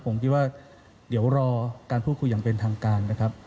ผมคิดว่าเดี๋ยวรอการพูดคุยอย่างเป็นทางการนะครับ